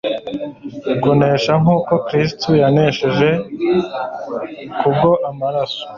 kunesha nkuko Kristo yanesheje kubwo amaraso